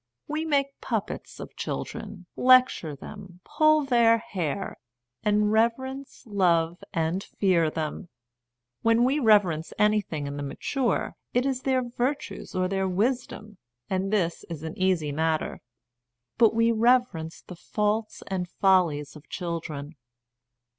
We make puppets of children, lecture them, pull their hair, and reverence, love, and fear them. When we reverence anything in the mature, it is their virtues or their wisdom, and this A Defence of Baby Worship is an easy matter. But we reverence the faults and follies of children.